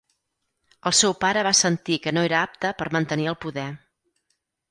El seu pare va sentir que no era apte per mantenir el poder.